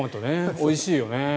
おいしいよね。